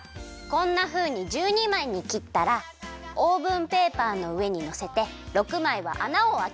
こんなふうに１２まいにきったらオーブンペーパーのうえにのせて６まいはあなをあける。